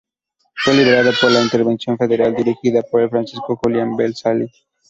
Fue liberado por la intervención federal dirigida por Francisco Julián Beazley.